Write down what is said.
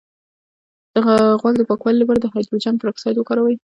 د غوږ د پاکوالي لپاره د هایدروجن پر اکسایډ وکاروئ